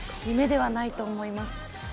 夢ではないと思います。